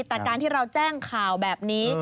แต่การที่เราแจ้งข่าวแบบนี้